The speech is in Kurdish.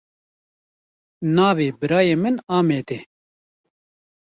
Navê birayê min Amed e.